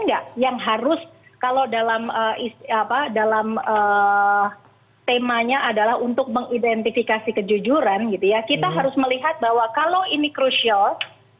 yang harus kalau dalam temanya adalah untuk mengidentifikasi kejujuran kita harus melihat bahwa kalau ini penting